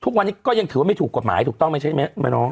ทุกวันนี้ก็ยังถือว่าไม่ถูกกฎหมายถูกต้องไหมใช่ไหมน้อง